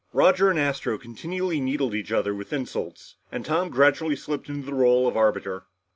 Roger and Astro continually needled each other with insults, and Tom gradually slipped into the role of arbiter.